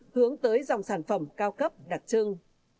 hướng tới dòng sản phẩm cao cấp đặc trưng